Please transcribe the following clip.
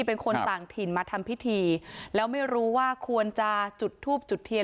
เป็นคนต่างถิ่นมาทำพิธีแล้วไม่รู้ว่าควรจะจุดทูบจุดเทียน